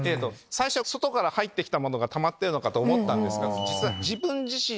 最初は外から入ってきたものがたまってると思ったんですが。